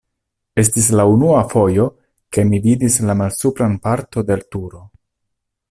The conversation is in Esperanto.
Estis la unua fojo, ke mi vidis la malsupran parton de turo.